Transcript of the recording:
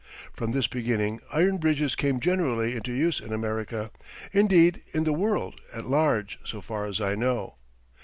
From this beginning iron bridges came generally into use in America, indeed, in the world at large so far as I know.